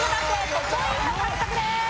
５ポイント獲得です。